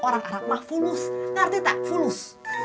orang arak ma fulus ngerti teh fulus